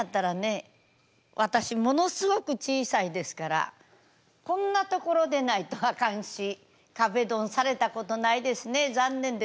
私ものすごく小さいですからこんな所でないとあかんし壁ドンされたことないですね残念ですね。